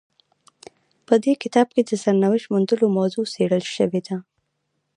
په دې کتاب کې د سرنوشت موندلو موضوع څیړل شوې ده.